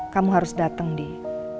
kamu harus dateng dee